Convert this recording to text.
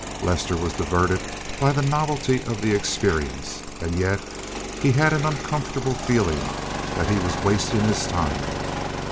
Lester was diverted by the novelty of the experience and yet he had an uncomfortable feeling that he was wasting his time.